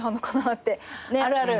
あるある。